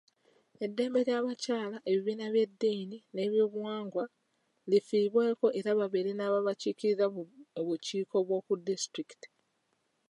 Eddembe ly’abakyala, ebibiina by’eddini n’ebyobuwangwa lifiibweko era babeere n’ababakiikirira mu bukiiko bw’oku disitulikiti.